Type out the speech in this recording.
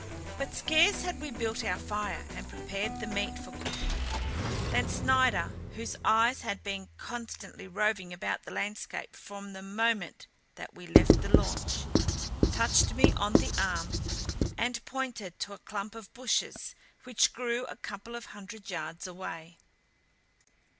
But scarce had we built our fire and prepared the meat for cooking than Snider, whose eyes had been constantly roving about the landscape from the moment that we left the launch, touched me on the arm and pointed to a clump of bushes which grew a couple of hundred yards away.